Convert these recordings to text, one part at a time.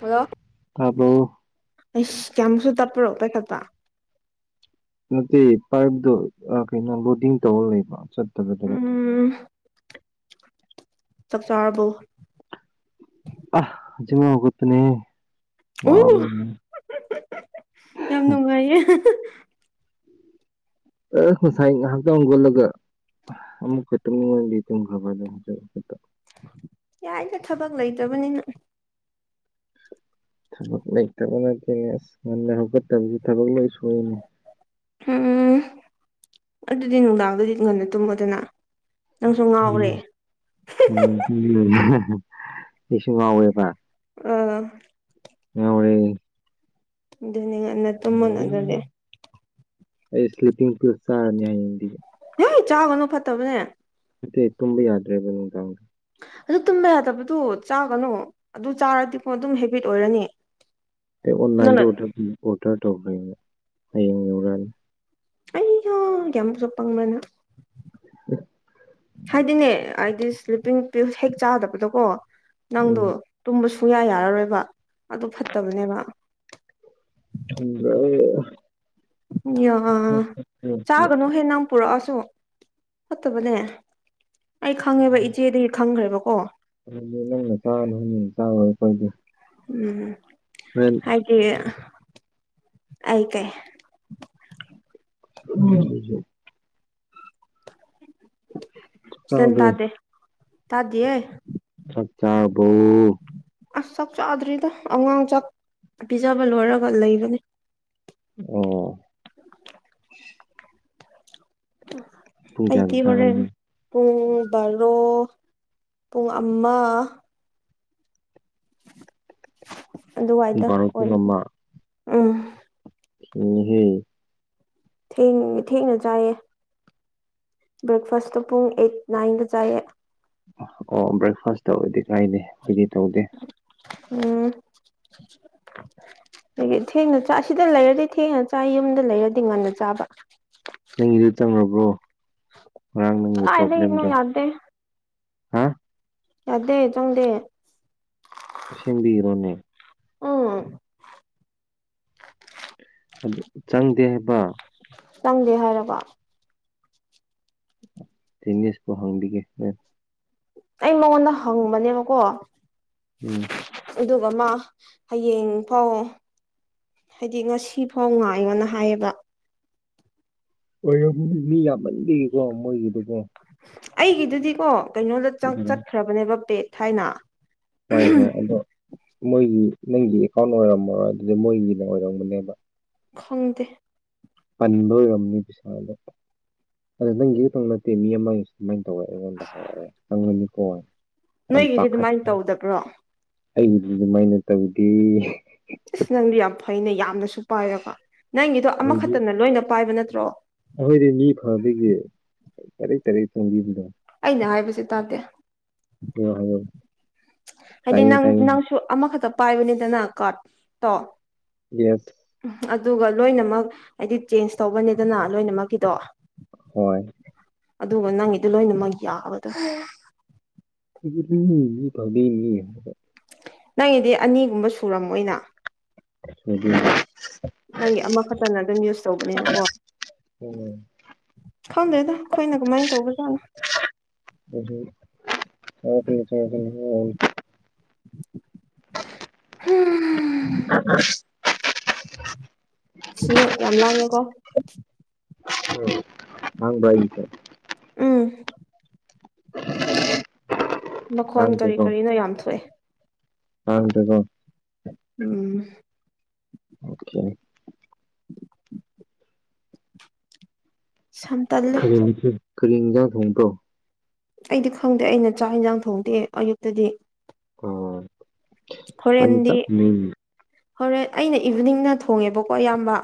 Hello ꯇꯥꯕꯣ ꯑꯩꯁ ꯀꯌꯥꯝꯁꯨ ꯇꯞꯄꯔꯣ ꯄꯥꯏꯈꯠꯄ ꯅꯠꯇꯦ ꯄꯥꯏꯕꯗꯨ ꯑ ꯀꯩꯅꯣ ꯂꯣꯗꯤꯡ ꯇꯧꯔ ꯂꯩꯕ ꯆꯠꯇꯕ ꯗꯔꯦꯛ ꯎꯝ ꯆꯥꯛ ꯆꯥꯔꯕꯣ ꯑ ꯖꯤꯃꯥ ꯍꯒꯠꯄꯅꯦ ꯎ [unintelligible] ꯌꯥꯝ ꯅꯨꯡꯉꯥꯏꯌꯦ ꯑ ꯉꯁꯥꯏ ꯉꯥꯏꯍꯥꯛꯇꯪ ꯍꯧꯒꯛꯂꯒ ꯑꯃꯨꯛꯀ ꯇꯨꯝꯅꯤꯡꯉꯗꯤ ꯇꯨꯝꯈ꯭ꯔꯕ ꯑꯗꯨ [unintelligible] ꯌꯥꯏꯗ ꯊꯕꯛ ꯂꯩꯇꯕꯅꯤꯅ ꯊꯕꯛ ꯂꯩꯇꯕ ꯅꯠꯇꯦ ꯑꯁ ꯉꯟꯅ ꯍꯧꯒꯠꯇꯕꯒꯤ ꯊꯕꯛ ꯂꯣꯏ ꯁꯣꯏꯅꯦ꯫ ꯎꯝ ꯑꯗꯨꯗꯤ ꯅꯨꯡꯗꯥꯡꯗꯗꯤ ꯉꯟꯅ ꯇꯨꯝꯃꯣꯗꯅ ꯅꯪꯁꯨ ꯉꯥꯎꯔꯦ ꯑꯩꯁꯨ ꯉꯥꯎꯋꯦꯕ ꯑ ꯉꯥꯎꯋꯦ ꯑꯗꯨꯅꯤ ꯉꯟꯅ ꯇꯨꯝꯃꯣꯅ ꯑꯗꯨꯗꯤ ꯑꯩ ꯁ꯭ꯂꯤꯞꯄꯤꯡ ꯄꯤꯜ ꯆꯔꯅꯤ ꯍꯥꯌꯦꯡꯗꯩ ꯏ ꯆꯥꯒꯅꯨ ꯐꯠꯇꯕꯅꯦ ꯅꯠꯇꯦ ꯇꯨꯝꯕ ꯌꯥꯗ꯭ꯔꯦꯕ ꯅꯨꯡꯗꯥꯡꯗ ꯑꯗꯨ ꯇꯨꯝꯕ ꯌꯥꯗꯕꯗꯨ ꯆꯥꯒꯅꯨ ꯑꯗꯨ ꯆꯥꯔꯗꯤꯀꯣ ꯑꯗꯨꯝ ꯍꯦꯕꯤꯠ ꯑꯣꯏꯔꯅꯤ꯫ ꯑꯩ ꯅꯪꯅ ꯑꯣꯟꯂꯥꯏꯟꯗꯨ ꯗ ꯎꯝ ꯑꯣꯗꯔ ꯇꯧꯈ꯭ꯔꯦꯅꯦ ꯍꯌꯦꯡ ꯌꯧꯔꯛꯑꯅꯤ꯫ ꯑꯩꯌꯥ ꯌꯥꯝꯁꯨ ꯄꯪꯕꯅ ꯍꯥꯏꯗꯤꯅꯦ ꯑꯩꯗꯤ ꯁ꯭ꯂꯤꯞꯄꯤꯡ ꯄꯤꯜ ꯍꯦꯛ ꯆꯥꯗꯕꯗꯣꯀꯣ ꯅꯪꯗꯣ ꯎꯝ ꯇꯨꯝꯕ ꯁꯨꯌꯥ ꯌꯥꯔꯔꯣꯏꯕ ꯑꯗꯨ ꯐꯠꯇꯕꯅꯦꯕ ꯈꯪꯗ꯭ꯔꯦ ꯑꯌꯥ ꯆꯥꯒꯅꯨ ꯍꯦ ꯅꯪ ꯄꯨꯔꯛꯑꯁꯨ ꯐꯠꯇꯕꯅꯦ ꯑꯩ ꯈꯪꯉꯦꯕ ꯏꯆꯦꯗꯒꯤ ꯈꯪꯈ꯭ꯔꯦꯕꯀꯣ [inaudible] ꯎꯝ ꯍꯣꯔꯦꯟ ꯇꯦ ꯑꯩ ꯀꯩ [unintelligible] ꯏꯁꯇꯟ ꯆꯥꯛꯗꯣ ꯇꯥꯗꯦ ꯇꯥꯗꯤꯌꯦ ꯆꯥꯛ ꯆꯔꯕꯣ ꯑꯁ ꯆꯥꯛ ꯆꯥꯗ꯭ꯔꯤꯗ ꯑꯉꯥꯡ ꯆꯥꯛ ꯄꯤꯖꯕ ꯂꯣꯏꯔꯒ ꯂꯩꯕꯅꯦ꯫ ꯑꯣ ꯄꯨꯡ ꯀꯌꯥꯗ ꯑꯩꯗꯤ ꯍꯣꯔꯦꯟ ꯆꯥꯒꯅꯤ ꯄꯨꯡ ꯕꯥꯔꯣ ꯄꯨꯡ ꯑꯃ ꯄꯨꯡ ꯑꯗꯨꯋꯥꯏꯗ ꯕꯥꯔꯣ ꯄꯨꯡ ꯑꯣꯏꯕꯅꯦ ꯑꯃ ꯎꯝ [unintelligible] ꯍꯦ ꯊꯦꯡ ꯊꯦꯡꯅ ꯆꯥꯏꯌꯦ ꯕ꯭ꯔꯦꯛꯐꯥꯁꯇꯣ ꯄꯨꯡ ꯑꯩꯠ ꯅꯥꯏꯟꯗ ꯆꯥꯏꯌꯦ꯫ ꯑꯣ ꯕ꯭ꯔꯦꯛꯐꯥꯁ ꯇꯧꯔꯗꯤ ꯀꯥꯏꯗꯦ ꯈꯣꯏꯗꯤ ꯇꯧꯗꯦ꯫ ꯎꯝ ꯑꯗꯒꯤ ꯊꯦꯡꯅ ꯆꯥ ꯁꯤꯗ ꯂꯩꯔꯗꯤ ꯊꯦꯡꯅ ꯆꯥꯏ ꯌꯨꯝꯗ ꯂꯩꯔꯗꯤ ꯉꯟꯅ ꯆꯥꯕ ꯅꯪꯒꯤꯗꯨ ꯇꯝꯔꯕ꯭ꯔꯣ ꯉꯔꯥꯡ ꯅꯪꯒꯤ ꯀꯗꯥꯏꯗꯒꯤꯅꯣ ꯄ꯭ꯔꯣꯕ꯭ꯂꯦꯝꯗꯣ ꯌꯥꯗꯦ ꯍꯥ ꯌꯥꯗꯦ ꯆꯪꯗꯦ ꯑꯁꯦꯝꯕꯤꯔꯣꯅꯦ ꯎꯝ ꯑꯗꯨ ꯆꯪꯗꯦ ꯍꯥꯏꯕ ꯆꯪꯗꯦ ꯍꯥꯏꯔꯕ ꯊꯤꯅꯤꯁꯄꯨ ꯍꯪꯕꯤꯒꯦ ꯅꯣꯏ ꯑꯩ ꯃꯉꯣꯟꯗ ꯍꯪꯕꯅꯦꯕꯀꯣ ꯎꯝ ꯑꯗꯨꯒ ꯃꯥ ꯍꯌꯦꯡ ꯐꯥꯎ ꯍꯥꯏꯗꯤ ꯉꯁꯤ ꯐꯥꯎ ꯉꯥꯏꯌꯣꯅ ꯍꯥꯏꯌꯦꯕ ꯑꯣꯏꯔꯕꯨꯗꯤ ꯃꯤ ꯌꯥꯝꯃꯟꯕꯒꯤꯀꯣ ꯃꯣꯏꯒꯤꯗꯨꯕꯣ ꯑꯩꯒꯤꯗꯨꯗꯤꯀꯣ ꯀꯩꯅꯣꯗ ꯆꯠ ꯆꯠꯈ꯭ꯔꯕꯅꯦꯕ ꯄꯦꯠ ꯍꯥꯏꯅ ꯍꯣꯏ ꯍꯣꯏ ꯑꯗꯣ ꯃꯣꯏꯒꯤ ꯅꯪꯒꯤ ꯑꯦꯀꯥꯎꯟ ꯑꯣꯏꯔꯝꯃꯔꯣ ꯑꯗꯨꯗ ꯃꯣꯏꯒꯤꯅ ꯑꯣꯏꯔꯝꯒꯅꯦꯕ ꯈꯪꯗꯦ ꯄꯟꯕ ꯑꯣꯏꯔꯝꯅꯤ ꯄꯩꯁꯥꯗꯣ ꯑꯗꯣ ꯅꯪꯒꯤꯗ ꯈꯛ ꯅꯠꯇꯦ ꯃꯤ ꯑꯃꯒꯤ ꯁꯨꯃꯥꯏꯟ ꯇꯧꯋꯦ ꯑꯩꯉꯣꯟꯗ ꯍꯪꯉꯛꯑꯦ ꯈꯪꯉꯅꯤꯀꯣ ꯌꯥꯝ ꯅꯣꯏꯒꯤꯗꯤ ꯄꯥꯈꯠ ꯑꯗꯨꯃꯥꯏꯅ ꯇꯧꯗꯕ꯭ꯔꯣ ꯑꯩꯒꯤꯗꯤ ꯑꯗꯨꯃꯥꯏꯅ ꯇꯧꯗꯦ ꯑꯁ ꯅꯪꯗꯤ ꯌꯥꯝ ꯐꯩꯅꯦ ꯌꯥꯝꯅꯁꯨ ꯄꯥꯏꯔꯀꯥ ꯅꯪꯒꯤꯗꯣ ꯑꯃꯈꯛꯇꯅ ꯂꯣꯏꯅ ꯄꯥꯏꯕ ꯅꯠꯇ꯭ꯔꯣ ꯑꯩꯈꯣꯏꯗꯤ ꯃꯤ ꯐꯕꯒꯤ ꯇꯔꯦꯠ ꯇꯔꯦꯠ ꯆꯪꯕꯤꯕꯗꯣ ꯑꯩꯅ ꯍꯥꯏꯕꯁꯦ ꯇꯥꯗꯦ [unintelligible] ꯍꯥꯏꯗꯤ ꯇꯥꯏꯌꯦ ꯅꯪ ꯇꯥꯏꯌꯦ ꯅꯪꯁꯨ ꯑꯃꯈꯛꯇ ꯄꯥꯏꯕꯅꯤꯗꯅ ꯀꯥ꯭ꯔꯗ ꯇꯣ ꯌꯦꯠ ꯎꯝ ꯑꯗꯨꯒ ꯂꯣꯏꯅꯃꯛ ꯍꯥꯏꯗꯤ ꯆꯦꯟꯖ ꯇꯧꯕꯅꯦꯗꯅ ꯂꯣꯏꯅꯃꯛꯀꯤꯗꯣ ꯍꯣꯏ ꯑꯗꯨꯒ ꯅꯪꯒꯤꯗꯤ ꯂꯣꯏꯅꯃꯛ ꯌꯥꯕꯗꯣ [unintelligible] ꯃꯤ [unintelligible] ꯅꯪꯒꯤꯗꯤ ꯑꯅꯤꯒꯨꯝꯕ ꯁꯨꯔꯝꯃꯣꯏꯅ ꯁꯨꯗꯦ ꯅꯪꯒꯤ ꯑꯃꯈꯥꯇꯅ ꯑꯗꯨꯝ ꯌꯨꯁ ꯇꯧꯕꯅꯤꯅꯀꯣ ꯑꯣꯝ ꯈꯪꯗꯦꯗ ꯑꯩꯈꯣꯏꯅ ꯀꯃꯥꯏꯟ ꯇꯧꯕꯖꯥꯠꯅꯣ [unintelligible] ꯍꯝ [unintelligible] ꯁꯤꯅꯦ ꯌꯥꯝ ꯂꯥꯡꯉꯦꯀꯣ ꯎꯝ ꯈꯪꯕ꯭ꯔꯥ ꯑꯩꯒꯤꯁꯦ ꯎꯝ [unintelligible] ꯃꯈꯣꯟ ꯀꯔꯤ ꯍꯥꯡꯗꯦꯀꯣ ꯀꯔꯤꯅꯣ ꯌꯥꯝ ꯊꯣꯛꯑꯦ [unintelligible] ꯎꯝ ꯑꯣꯈꯦ ꯁꯝ ꯇꯜꯂꯦ ꯀꯔꯤ [unintelligible] ꯀꯔꯤ ꯍꯤꯟꯖꯥꯡ ꯊꯣꯡꯕ꯭ꯔꯣ ꯑꯩꯗꯤ ꯈꯪꯗꯦ ꯑꯩꯅ ꯆꯥꯛ ꯍꯤꯟꯖꯥꯡ ꯊꯣꯡꯗꯦ ꯑꯌꯨꯛꯇꯗꯤ ꯑꯣ ꯄꯅꯤ ꯍꯣꯔꯦꯟꯗꯤ ꯆꯞ ꯎꯝ ꯍꯣꯔꯦꯟ ꯑꯩꯅ ꯏꯚꯤꯅꯤꯡꯅ ꯊꯣꯡꯉꯦꯕꯀꯣ ꯑꯌꯥꯝꯕ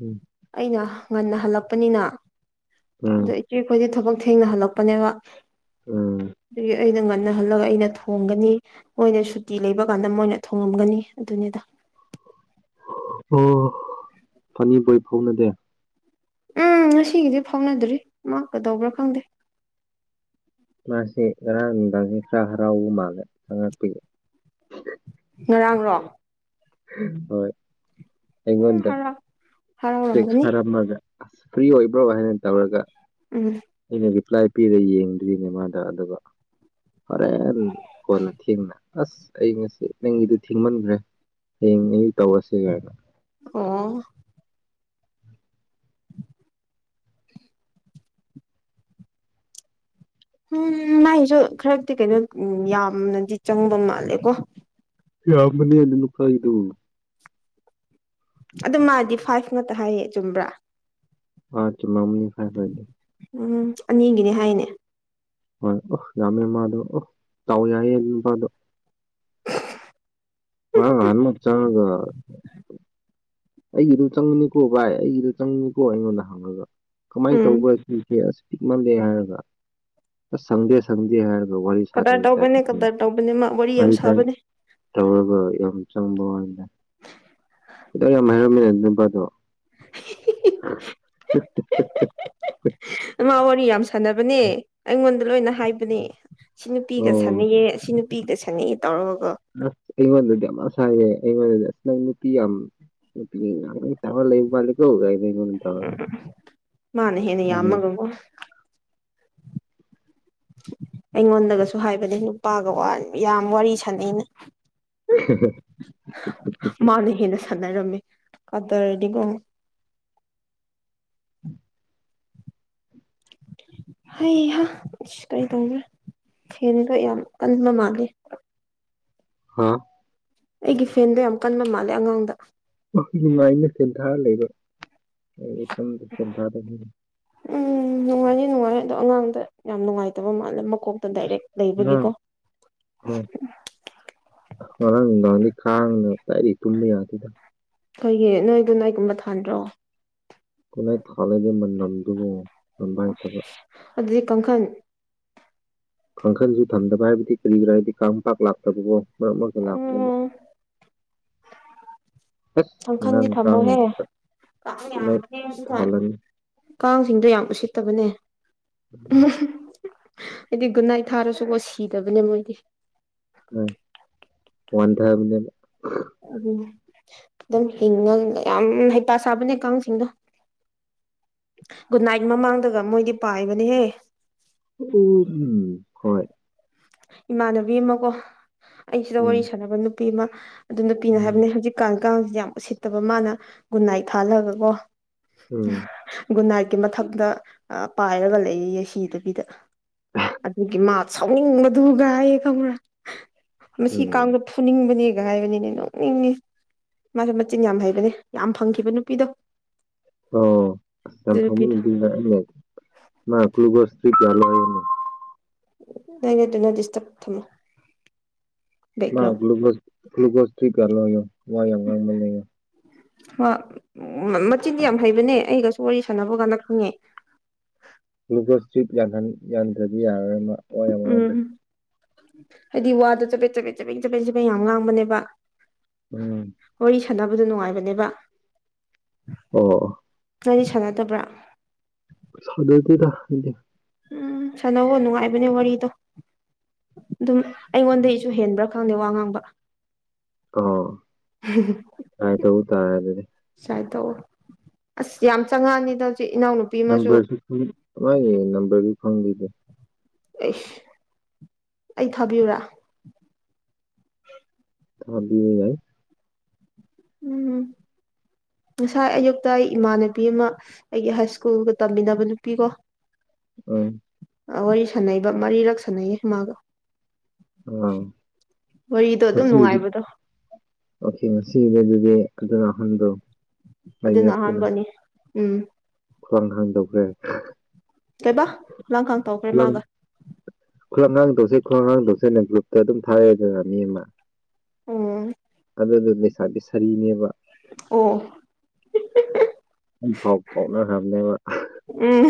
ꯎꯝ ꯑꯩꯅ ꯉꯟꯅ ꯍꯜꯂꯛꯄꯅꯤꯅ ꯑꯗꯨꯏ ꯎꯝ ꯏꯆ‌ꯦ ꯈꯣꯏꯗꯤ ꯊꯕꯛ ꯊꯦꯡꯅꯥ ꯍꯜꯂꯛꯄꯅꯦꯕ ꯑꯗꯨꯒꯤ ꯑꯩꯅ ꯉꯟ ꯉꯟꯅꯍꯜꯂꯒ ꯑꯩꯅ ꯊꯣꯡꯒꯅꯤ ꯃꯣꯏꯅ ꯁꯨꯇꯤ ꯂꯩꯕ ꯀꯥꯟꯗ ꯃꯣꯏꯅ ꯊꯣꯡꯉꯝꯒꯅꯤ ꯑꯗꯨꯅꯤꯗ ꯑꯣ ꯐꯅꯤꯕꯣꯏ ꯐꯥꯎꯅꯗꯦ ꯎꯝ ꯉꯁꯤꯒꯤꯗꯤ ꯐꯥꯎꯅꯗ꯭ꯔꯤ ꯃꯥꯀꯗꯧꯕ꯭ꯔꯥ ꯈꯪꯗꯦ ꯃꯥꯁꯤ ꯉꯔꯥꯡ ꯅꯨꯡꯗꯥꯡꯁꯤ ꯈꯔ ꯍꯔꯥꯎꯕ ꯃꯥꯜꯂꯦ ꯆꯪꯉꯛꯄꯒꯤ ꯉꯔꯥꯡꯔꯣ ꯍꯣꯏ ꯎꯝ ꯑꯩꯉꯣꯟꯗ ꯍꯔꯥꯎ ꯇ‌ꯦꯛꯁ ꯍꯔꯥꯎꯔꯝꯒꯅꯤ ꯊꯔꯝꯕꯗꯥ ꯑꯁ ꯐ꯭ꯔꯤ ꯑꯣꯏꯕ꯭ꯔꯣ ꯍꯥꯏꯅ ꯇꯧꯔꯒ ꯎꯝ ꯑꯩꯅ ꯔꯤꯄ꯭ꯂꯥꯏ ꯄꯤꯔ ꯌꯦꯡꯗ꯭ꯔꯤꯅꯦ ꯃꯥꯗ ꯑꯗꯨꯒ ꯍꯣꯔꯦꯟ ꯀꯣꯟꯅ ꯊꯦꯡꯅ ꯑꯁ ꯑꯩ ꯉꯁꯤ ꯅꯪꯒꯤꯗꯨ ꯊꯤꯡꯃꯟꯈ꯭ꯔꯦ ꯍꯌꯦꯛ ꯑꯌꯨꯛ ꯇꯧꯔꯁꯤ ꯀꯥꯏꯅꯥ ꯑꯣ [inaudible] ꯎꯝ ꯃꯥꯏꯁꯨ ꯈꯔꯗꯤ ꯀꯩꯅꯣ ꯌꯥꯝꯅꯗꯤ ꯆꯪꯕ ꯃꯥꯜꯂꯦꯀꯣ ꯌꯥꯝꯃꯅꯤꯅꯤꯅ [unintelligible] ꯈꯥꯏꯗꯨ ꯑꯗꯨ ꯃꯥꯗꯤ ꯐꯥꯏꯚ ꯉꯥꯛꯇ ꯍꯥꯏꯌꯦ ꯆꯨꯝꯕ꯭ꯔꯥ ꯍꫭꯏ ꯆꯨꯝꯃꯝꯅꯤ ꯐꯥꯏꯚ ꯑꫭꯏꯗꯤ ꯎꯝ ꯑꯅꯤꯒꯤꯅꯤ ꯍꯥꯏꯅꯦ ꯍꯣꯏ ꯑꯁ ꯌꯥꯝꯃꯦ ꯃꯥꯗꯣ ꯑ [unintelligible] ꯗꯥꯎ ꯌꯥꯏꯌꯦ ꯅꯨꯄꯥꯗꯣ ꯍ ꯍꯜꯃ [unintelligible] ꯆꯪꯉꯒ ꯑꯩꯒꯤꯗꯤ ꯆꯪꯉꯅꯤꯀꯣ ꯚꯥꯏ ꯑꯩꯒꯤꯗꯨ ꯆꯪꯅꯤꯀꯣ ꯑꯩꯉꯣꯟꯗ ꯍꯪꯉꯒ ꯀꯃꯥꯏꯅ ꯎꯝ ꯇꯧꯕ ꯄꯔꯤꯄ‌ꯦꯁ ꯄꯤꯛꯃꯜꯂ‌ꯣ ꯍꯥꯏꯔꯒ ꯁꯪꯗꯦ ꯁꯪꯗꯦ ꯍꯥꯏꯔ ꯋꯥꯔꯤ ꯀꯗꯔ ꯇꯧꯕꯅꯦ ꯀꯗꯔ ꯇꯧꯕꯅꯦ ꯃꯥ ꯋꯥꯔꯤ ꯌꯥꯝ ꯇ [unintelligible] ꯁꯥꯕꯅꯦ ꯇꯧꯒ ꯌꯥꯝ ꯆꯪꯕ ꯋꯅꯤꯗ ꯌꯥꯝ ꯍꯥꯏꯔꯝꯃ‌ꯦ ꯅꯨꯄꯥꯗꯣ ꯃꯥꯥ ꯋꯥꯔꯤ ꯌꯥꯝ ꯁꯥꯟꯅꯕꯅꯦ ꯑꯩꯉꯣꯟꯗ ꯂꯣꯏꯅ ꯍꯥꯏꯕꯅꯦ ꯁꯤ ꯅꯨꯄꯤꯒ ꯑꯣ ꯁꯥꯟꯅꯩꯌꯦ ꯁꯤ ꯅꯨꯄꯤꯒ ꯁꯥꯟꯅꯩꯌꯦ ꯇꯧꯔꯒꯀꫭ ꯑ ꯑꯩꯃꯗꯨꯗꯤꯃꯁꯥꯏꯦꯃ [unintelligible] ꯅꯪ ꯅꯨꯄꯤ ꯌꯥꯝ ꯇꯍ ꯂꯩ ꯃꯥꯀ [unintelligible] ꯊ ꯍꯣ [unintelligible] ꯑꯩꯉꯣꯟꯗꯒꯁꯨ ꯍꯥꯏꯕꯅꯦ ꯅꯨꯄꯥꯒ ꯌꯥꯝ ꯋꯥꯔꯤ ꯁꯥꯟꯅꯩꯩꯅ [inaudible] ꯃꯥꯅ ꯍꯦꯟꯅ ꯁꯥꯟꯅꯔꯝꯃꯤ ꯀꯗꯔꯗꯤꯀꫭ ꯎꯝ [unintelligible] ꯍꯩꯍꯥ ꯑꯁ ꯀꯔꯤ ꯇꯧꯗ꯭ꯔꯦ ꯐ‌ꯦꯟꯒ ꯌꯥꯝ ꯀꯟꯕ ꯃꯥꯜꯜꯡꯂꯤ ꯍꯥ ꯑꯩꯒꯤ ꯐꯦꯟꯗꯣ ꯌꯥꯝ ꯀꯟꯕ ꯃꯥꯜꯂꯦ ꯑꯉꯥꯡꯗ ꯃꯥꯏꯅ ꯁꯦꯟꯊꯥ ꯂꯩꯕ ꯑꯩ ꯁꫭꯝꯗ ꯁꯦꯟꯊꯥꯗ ꯎꯝ ꯅꯨꯡꯉꯥꯏꯗꯤ ꯅꯨꯡꯉꯥꯏꯌ‌ꯦ ꯑꯗꯣ ꯑꯉꯥꯡꯗ ꯌꯥꯝ ꯅꯨꯡꯉꯥꯏꯇꯕ ꯃꯥꯜꯂꯦ ꯃꯀꯣꯛ ꯎꯝ ꯎꯝ [unintelligible] ꯉꯔꯥꯡ ꯅꯨꯡꯗꯥꯡꯗꯤ ꯀꯥꯡꯅ ꯀꯥꯏꯗꯩ ꯇꯨꯝꯕ ꯌꯥꯗꯦꯗꯥ ꯀꯩꯒꯤ ꯅꯣꯏ ꯒꯨꯠꯅꯥꯏꯠꯒꯨꯝꯕ ꯊꯥꯟꯗ꯭ꯔꯣ ꯒꯨꯠꯅꯥꯏꯠ ꯊꯥꯜꯂ‌ꯦ ꯑꯗꯨ ꯃꯅꯝꯗꯨꯕꯨ ꯅꯝꯕꯍꯩꯇꯕꯥ ꯑꯗꯨꯗꯤ ꯀꯥꯡꯈꯟ ꯀꯥꯡꯈꯟꯁꯨ ꯊꯝꯗꯕ ꯍꯥꯏꯕꯗꯤ ꯀꯔꯤꯒꯤꯔꯥ ꯍꯥꯏꯗꯤ ꯀꯥꯡꯄꯥꯛ ꯂꯥꯛꯇꯕꯀꫭ ꯃꯔꯛ ꯃꯔꯛꯇ ꯂꯥꯛꯄꯅꯦꯕ ꯎꯝ ꯑꯁ ꯀꯥꯡꯈꯟꯗꯤ ꯑꯉꯥꯡ ꯀꯥꯡ ꯊꯝꯃꯣꯍꯦ ꯀꯥꯡ ꯀꯣꯏꯂꯥꯏ ꯌꯥꯝꯕꯅꯦ ꯊꯥꯜꯂꯅꯤ [unintelligible] ꯀꯥꯡꯁꯤꯡꯗꯣ ꯌꯥꯝ ꯎꯁꯤꯠꯇꯕꯅꯦ [unintelligible] ꯍꯥꯏꯗꯤ ꯒꯨꯠꯅꯥꯏ ꯊꯥꯔꯁꯨꯀꯣ ꯁꯤꯗꯕꯅꯦ ꯃꯣꯏꯗꯤ ꯑ ꯋꯥꯟꯗꯕꯅꯦꯕ ꯎꯝ ꯑꯗꯨꯝ ꯍꯤꯡꯉ ꯌꯥꯝ ꯍꯩꯄꯥ ꯁꯥꯕꯅꯦ ꯀꯥꯡꯁꯤꯡꯗꯣ ꯒꯨꯠ ꯅꯥꯏꯠ ꯃꯃꯥꯡꯗꯒ ꯃꯣꯏꯗꯤ ꯄꯥꯏꯕꯅꯦꯍꯦ [unintelligible] ꯍꯣꯏ ꯏꯃꯥꯟꯅꯕꯤ ꯑꯃ ꯀꯣ ꯑꯩꯁꯤꯗ ꯎꯝ ꯋꯥꯔꯤ ꯁꯥꯟꯅꯕ ꯅꯨꯄꯤ ꯑꯃ ꯑꯗꯨ ꯅꯨꯄꯤꯅ ꯎꯝ ꯍꯥꯏꯕꯅꯦ ꯍꯧꯖꯤꯛ ꯀꯥꯟ ꯀꯥꯡꯁꯤꯡꯁꯦ ꯌꯥꯝ ꯎꯁꯤꯠꯇꯕ ꯃꯥꯅ ꯒꯨꯠꯅꯥꯏ ꯊꯥꯜꯂꯒꯀꯣ ꯎꯝ ꯒꯨꯠ ꯅꯥꯏꯠꯀꯤ ꯃꯊꯛꯇ ꯄꯥꯏꯔꯒ ꯂꯩꯌꯦꯌꯦ ꯁꯤꯗꯕꯤꯗ ꯑꯗꯨꯒꯤ ꯃꯥꯥꯛ ꯁꯥꯎꯅꯤꯡꯕꯗꯨꯒꯥꯏꯌꯦ ꯈꯪꯕ꯭ꯔ ꯃꯁꯤ ꯎꯝ ꯀꯥꯡꯗꫭ ꯐꯨꯅꯤꯡꯕꯅꯦ ꯒ ꯍꯥꯏꯕꯅꯤꯅꯦ ꯅꯣꯡꯅꯤꯡꯉꯦ ꯃꯥꯁꯨ ꯃꯆꯤꯟ ꯌꯥꯝ ꯍꯩꯕꯅꯦ ꯌꯥꯝ ꯐꯪꯈꯤꯕ ꯅꯨꯄꯤꯗꯣ ꯑꯣ ꯑꯗꯨ ꯌꯥꯝ ꯅꯨꯄꯤꯗꯣ [unintelligible] ꯃꯥ ꯒ꯭ꯂꯨꯀꫭꯁꯇꯤ ꯀꯌꯥ ꯂꫭꯏꯔꯦꯅꯦ [unintelligible] ꯑꯗꯨꯅ ꯗꯤꯁꯇꯔꯕ [unintelligible] ꯃꯥ ꯕꯦꯛꯒ꯭ꯔꯥꯎꯟ ꯒ꯭ꯂꯨꯀꯣꯁ [unintelligible] ꯋꯥ ꯌꯥꯝ ꯉꯥꯡꯃꯜꯂꯦꯌꫭ ꯃꯆꯤꯟꯗꯤ ꯌꯥꯝ ꯍꯩꯕꯅꯦ ꯑꯩꯒꯁꯨ ꯋꯥꯔꯤ ꯁꯥꯟꯅꯕ ꯀꯥꯟꯗ ꯈꯪꯉꯦ ꯒ꯭ꯂꯨꯀꫭꯁ ꯗ꯭ꯔꯤꯞ ꯌꯥꯟꯍꯟ ꯌꯥꯟꯗ꯭ꯔꯗꯤ ꯌꯥꯔꯔꯣꯏ ꯃꯥ ꯋꯥ ꯌꯥꯝ ꯉꯥꯡꯈ꯭ꯔꯦ ꯎꯝ ꯍꯥꯏꯗꯤ ꯋꯥꯗꫭ ꯆꯕꯦꯠ ꯆꯄꯦꯠ ꯆꯄꯦꯠ ꯆꯄꯦꯠ ꯆꯠꯄꯦꯠ ꯌꯥꯝ ꯉꯥꯡꯕꯅꯦꯕ ꯎꯝ ꯋꯥꯔꯤ ꯁꯥꯟꯅꯕꯗ ꯅꯨꯡꯉꯥꯏꯕꯅꯦꯕ ꯑꯣ ꯅꯪꯗꯤ ꯁꯥꯟꯅꯗꯕ꯭ꯔ ꯁꯥꯟꯅꯗꯦꯗ ꯑꯩꯗꯤ ꯎꯝ ꯁꯥꯟꯅꯧꯋꫭ ꯅꯨꯡꯉꯥꯏꯕꯅꯦ ꯋꯥꯔꯤꯗꯣ ꯑꯗꯨꯝ ꯑꯩꯉꯣꯟꯗꯩꯁꯨ ꯍꯦꯟꯕ꯭ꯔ ꯈꯪꯗꯦ ꯋꯥ ꯉꯥꯡꯕ ꯑꯣ ꯇ꯭ꯔꯥꯏ ꯇꯧꯕ ꯇꯥꯔꯦ ꯑꯗꯨꯗꯤ ꯆꯥꯏ ꯇꯧ ꯑꯁ ꯌꯥꯝ ꯆꯪꯉꯛꯑꯅꯤꯗ ꯍꯧꯖꯤꯛ ꯏꯅꯥꯎ ꯅꯝꯕꯔꯖꯨ [unintelligible] ꯃꯥꯥꯏ ꯅꯝꯕꯔꯖꯨ [unintelligible] ꯑꯩꯁ ꯑꯩ ꯊꯥꯕꯤꯌꯨꯨꯔ ꯊꯥꯕꯤꯌꯨ ꯌꯥꯏ ꯎꯝ ꯉꯁꯥꯏ ꯑꯌꯨꯛꯇ ꯏꯃꯥꯟꯅꯕꯤ ꯑꯃ ꯑꯩꯒꯤ ꯍꯥꯏ ꯁ꯭ꯀꯨꯜꯒ ꯇꯝꯃꯤꯟꯅꯕ ꯅꯨꯄꯤꯀꫭ [unintelligible] ꯋꯥꯔꯤ ꯁꯥꯟꯅꯩꯕ ꯃꯔꯤꯔꯛ ꯁꯥꯟꯅꯩꯌꯦ ꯃꯥꯒ ꯑꯥ ꯋꯥꯔꯤꯗꯣ ꯑꯗꯨꯝ ꯉꯁꯤꯒꯤꯗꯤ ꯅꯨꯡꯉꯥꯏꯕꯗꯣ ꯑꯣꯀꯦ ꯉꯁꯤꯗꯤ ꯑꯗꯨꯗꯤ [unintelligible] ꯑꯗꯨꯅ ꯑꯍꯥꯟꯕꯅꯦ ꯎꯝ ꯈ꯭ꯋꯥꯡ ꯍꯥꯟ ꯇꯧꯈ꯭ꯔꯦ ꯀꯩꯕ ꯈꯨꯂꯥꯡꯈꯥꯡ ꯈꯨꯂꯪ [unintelligible] ꯒ꯭ꯔꯨꯞꯇ ꯑꯗꯨꯝ ꯊꯥꯏꯌꯦꯗꯅ ꯃꯤ ꯑꯃ ꯑꯣ ꯑꯗꯨꯗꯨ ꯂꯩꯁꯥꯕꯤ ꯁꯔꯤꯅꯦꯕ ꯑꯣ ꯑꯩ ꯄꯥꯎ ꯐꯥꯎꯅꯈ꯭ꯔꯕꯅꯦꯕ꯫ ꯎꯝ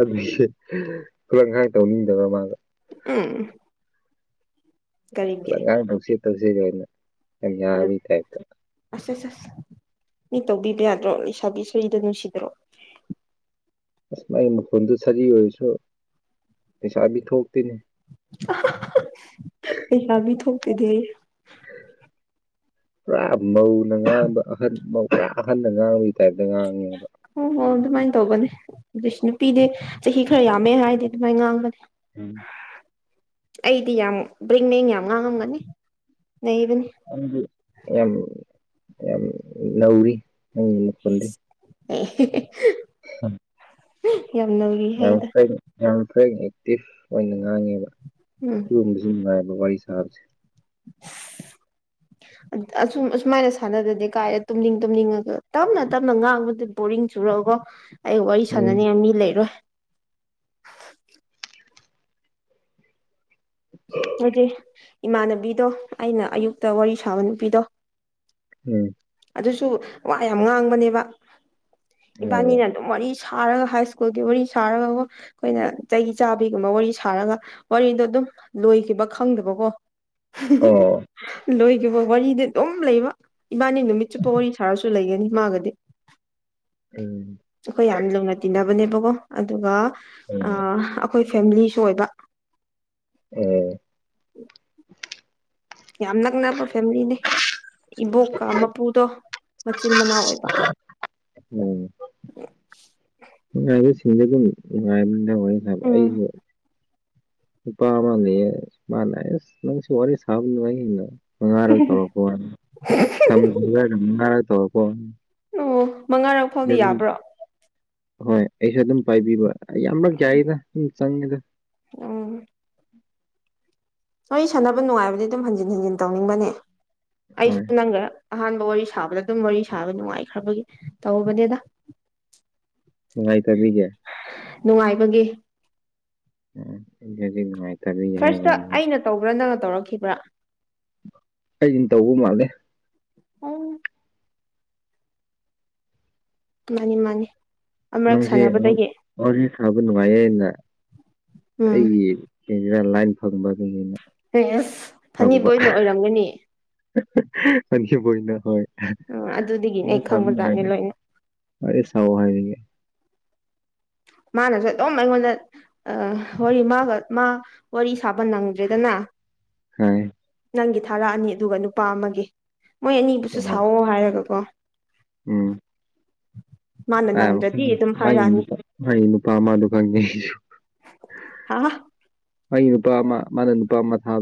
ꯑꯗꯨꯒꯤ ꯊꯕꯛ ꯏꯪꯈꯥꯡ ꯇꯧꯅꯤꯡꯗꯕ ꯃꯥꯒ꯫ ꯎꯝ ꯀꯔꯤꯒꯤ ꯂꯒꯥꯏ ꯇꯧꯁꯤ ꯇꯧꯁꯤ ꯒꯥꯏꯅ ꯑꯗꯨ ꯌꯥꯕꯩ ꯇꯏꯞꯇ꯫ ꯑꯁ ꯑꯁ ꯑꯁ ꯃꯤ ꯇꯧꯕꯤꯕ ꯌꯥꯗ꯭ꯔꯣ ꯏꯁꯥꯕꯤ ꯁꯔꯤꯗꯣ ꯅꯨꯡꯁꯤꯗ꯭ꯔꯣ꯫ ꯑꯁ ꯑꯩ ꯃꯈꯨꯜꯗꯨ ꯁꯖꯤ ꯑꯣꯏꯔꯁꯨ ꯄꯩꯁꯥꯕꯤ ꯊꯣꯛꯇꯦꯅꯦ꯫ [unintelligible] ꯂꯩꯁꯥꯕꯤ ꯊꯣꯛꯇꯦꯗꯦ꯫ [inaudible] ꯄꯨꯔꯥ ꯃꯧꯅ ꯉꯥꯡꯕ ꯑꯍꯟ ꯃꯧ ꯄꯨꯔꯥ ꯑꯍꯟꯅ ꯉꯥꯡꯕꯒꯤ ꯇꯥꯏꯞꯇ ꯉꯥꯡꯉꯦꯕ꯫ ꯍꯣ ꯍꯣꯏ ꯑꯗꯨꯃꯥꯏꯅꯦ ꯇꯧꯕꯅꯤ ꯑꯗꯨ ꯅꯨꯄꯤꯗꯤ ꯆꯍꯤ ꯈꯔ ꯌꯥꯝꯃꯦ ꯍꯥꯏꯔꯗꯤ ꯑꯗꯨꯃꯥꯏꯅ ꯉꯥꯡꯕꯅꯤ꯫ ꯎꯝ ꯑꯩꯗꯤ ꯌꯥꯝ ꯕ꯭ꯔꯦꯡ ꯕ꯭ꯔꯦꯡ ꯌꯥꯝ ꯉꯥꯡꯉꯝꯒꯅꯤ ꯅꯩꯕꯅꯤ꯫ ꯌꯥꯝ ꯌꯥꯝ ꯅꯧꯔꯤ ꯅꯪ ꯃꯈꯣꯟꯗꯤ꯫ [unintelligible] [unintelligible] ꯌꯥꯝ ꯅꯧꯔꯤ꯫ ꯌꯥꯝ ꯍꯥꯏꯗ ꯀꯩꯅ ꯌꯥꯝ ꯀꯩꯅ ꯑꯦꯛꯇꯤꯚ ꯑꯣꯏꯅ ꯉꯥꯡꯉꯦꯕ ꯎꯝ ꯁꯤꯒꯨꯝꯕꯁꯤ꯫ ꯅꯨꯡꯉꯥꯏꯕ ꯋꯥꯔꯤ ꯁꯥꯕꯁꯦ꯫ [unintelligible] ꯑꯁꯨꯝ ꯑꯁꯨꯃꯥꯏꯅ ꯁꯥꯟꯅꯗꯗꯤ ꯀꯥꯏ ꯇꯨꯝꯅꯤꯡ ꯇꯨꯝꯅꯤꯡꯉꯒ ꯇꯞꯅ ꯇꯞꯅ ꯉꯥꯡꯕꯗꯨ ꯄꯨꯔꯤꯡ ꯆꯨꯔꯑꯒ ꯑꯩ ꯋꯥꯔꯤ ꯎꯝ ꯁꯥꯟꯅꯅꯤꯡ ꯃꯤ ꯂꯩꯔꯣꯏ꯫ ꯍꯥꯏꯗꯤ ꯏꯃꯥꯟꯅꯕꯤꯗꯣ ꯑꯩꯅ ꯑꯌꯨꯛꯇ ꯋꯥꯔꯤ ꯁꯥꯕ ꯅꯨꯄꯤꯗꯣ꯫ ꯎꯝ ꯑꯗꯨꯁꯨ ꯋꯥ ꯌꯥꯝ ꯉꯥꯡꯕꯅꯦꯕ ꯎꯝ ꯏꯕꯥꯟꯅꯤꯅ ꯑꯗꯨꯝ ꯋꯥꯔꯤ ꯁꯥꯔꯒ ꯍꯥꯏ ꯁ꯭ꯀꯨꯜꯒꯤ ꯋꯥꯔꯤ ꯁꯥꯔꯒꯀꯣ꯫ ꯈꯣꯏꯅ ꯆꯍꯤ ꯆꯥꯕꯩꯒꯨꯝꯕ ꯋꯥꯔꯤ ꯁꯥꯔꯒ ꯋꯥꯔꯤꯗꯣ ꯑꯗꯨꯝ ꯂꯣꯏꯈꯤꯕ ꯈꯪꯗꯕꯀꯣ꯫ ꯑꯣ ꯂꯣꯏꯈꯤꯕ ꯋꯥꯔꯤꯗꯤ ꯑꯗꯨꯝ ꯂꯩꯕ ꯏꯕꯥꯟꯅꯤ ꯆꯨꯞꯄ ꯋꯥꯔꯤ ꯁꯥꯔꯁꯨ ꯂꯩꯒꯅꯤ ꯃꯥꯒꯗꯤ꯫ ꯎꯝ ꯑꯈꯣꯏ ꯌꯥꯝ ꯂꯨꯅ ꯇꯤꯟꯅꯕꯅꯦꯕꯀꯣ ꯑꯗꯨꯒ ꯎꯝ ꯑꯈꯣꯏ ꯐꯦꯃꯤꯂꯤꯁꯨ ꯑꯣꯏꯕ꯫ ꯎꯝ [inaudible] ꯌꯥꯝ ꯅꯛꯅꯕ ꯐꯦꯝꯂꯤꯅꯦ ꯏꯕꯣꯛꯀ ꯃꯄꯨꯗꯣ ꯃꯆꯤꯟ ꯃꯅꯥꯎ ꯑꯣꯏꯕ꯫ ꯎꯝ ꯅꯨꯡꯉꯥꯏꯕꯁꯤꯡꯁꯦ ꯑꯗꯨꯝ ꯅꯨꯡꯉꯥꯏꯕꯅꯤꯗ ꯋꯥꯔꯤ ꯁꯕꯗ ꯎꯝ ꯑꯩꯁꯨ, ꯅꯨꯄꯥ ꯑꯃ ꯂꯩꯌꯦ ꯃꯥꯅ ꯑꯁ ꯅꯪꯁꯨ ꯋꯥꯔꯤ ꯁꯥꯕ ꯅꯨꯡꯉꯥꯏꯌꯦꯅ꯫ ꯃꯉꯥꯔꯛ ꯇꯧꯔꯛꯄ ꯋꯥꯅꯤ ꯊꯝ ꯃꯉꯥꯔꯛ ꯇꯧꯔꯛꯄ ꯋꯥꯅꯤ꯫ ꯑꯣ ꯃꯉꯥꯔꯛ ꯐꯥꯎꯗꯤ ꯖꯔꯅꯤ ꯌꯥꯕ꯭ꯔꯣ? ꯍꯣꯏ ꯑꯩꯁꯨ ꯑꯗꯨꯝ ꯄꯥꯏꯕꯤꯕ ꯌꯥꯝꯔꯛ ꯌꯥꯏꯗ ꯑꯗꯨꯝ ꯆꯪꯉꯦꯗ꯫ ꯑꯣ꯫ ꯋꯥꯔꯤ ꯁꯥꯟꯅꯕ ꯅꯨꯡꯉꯥꯏꯕꯗꯤ ꯑꯗꯨꯝ ꯍꯟꯖꯤꯟ ꯍꯟꯖꯤꯟ ꯇꯧꯅꯤꯡꯕꯅꯦ ꯑꯩꯁꯨ ꯍꯣꯏ ꯅꯪꯒ ꯑꯍꯥꯟꯕ ꯋꯥꯔꯤ ꯁꯥꯕꯗ ꯑꯗꯨꯝ ꯋꯥꯔꯤ ꯁꯥꯕ ꯅꯨꯡꯉꯥꯏꯈ꯭ꯔꯕꯒꯤ ꯇꯧꯕꯅꯦꯗ꯫ ꯅꯨꯡꯉꯥꯏꯇꯗꯤꯒꯦ꯫ ꯅꯨꯡꯉꯥꯏꯕꯒꯤ꯫ [inaudible] ꯅꯨꯉꯥꯏ ꯐꯥꯔꯁꯇ ꯑꯩꯅ ꯇꯧꯕ꯭ꯔꯥ ꯅꯪꯅ ꯇꯧꯔꯛꯈꯤꯕ꯭ꯔꯥ ꯑꯩꯅ ꯇꯧꯕ ꯃꯥꯜꯂꯦ ꯑꯣ ꯃꯥꯅꯤ ꯃꯥꯅꯤ ꯑꯃꯔꯛ ꯅꯪꯁꯦ ꯑꯣ ꯁꯥꯟꯅꯕꯗꯒꯤ ꯋꯥꯔꯤ ꯁꯥꯕ ꯅꯨꯡꯉꯥꯏꯌꯦꯅ ꯎꯝ ꯑꯩꯒꯤ ꯁꯤꯅ ꯂꯥꯏꯟ ꯐꯪꯕ ꯑꯗꯨꯒꯤꯅꯦ ꯑꯦꯁ ꯐꯅꯤ ꯕꯣꯏꯅ ꯑꯣꯏꯔꯝꯒꯅꯤ ꯐꯅꯤ ꯕꯣꯏꯅ ꯍꯣꯏ ꯎꯝ ꯑꯗꯨꯗꯒꯤꯅꯦ ꯋꯥꯔꯤ ꯑꯩ ꯁꯥꯕ ꯈꯪꯕꯖꯥꯠꯅꯤ ꯅꯨꯉꯥꯏꯅꯤ ꯂꯣꯏꯅ ꯋꯥꯔꯤ ꯁꯥꯎꯑꯣ ꯍꯥꯏꯌꯦꯌꯦ ꯃꯥꯅꯁꯨ ꯑꯗꯨꯝ ꯑꯩꯉꯣꯟꯗ ꯑ ꯋꯥꯔꯤ ꯃꯥꯒ ꯃꯥ ꯋꯥꯔꯤ ꯁꯥꯕ ꯅꯪꯗ꯭ꯔꯦꯗꯅ ꯍꯩ ꯅꯪꯒꯤ ꯊꯥꯔꯑꯅꯤ ꯑꯗꯨꯒ ꯅꯨꯄꯥ ꯑꯃꯒꯤ ꯃꯣꯏ ꯑꯅꯤꯕꯨꯁꯨ ꯑꯣ ꯁꯥꯑꯣ ꯍꯥꯏꯔꯒꯀꯣ ꯎꯝ ꯃꯥꯅ ꯅꯪꯗ꯭ꯔꯗꯤ ꯑꯗꯨꯝ [inaudible] ꯃꯥꯒꯤ ꯍꯥꯏꯔꯛꯑꯅꯤ ꯅꯨꯄꯥ ꯃꯥꯒꯤ ꯅꯨꯄꯥ ꯑꯃꯗꯨ ꯈꯪꯗꯦ ꯑꯩꯁꯨ ꯍꯥ ꯃꯥꯒꯤ ꯅꯨꯄꯥ ꯑꯃ ꯃꯥꯅ ꯅꯨꯄꯥ ꯑꯃ ꯊꯥ